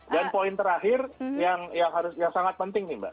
dan poin terakhir yang sangat penting nih mbak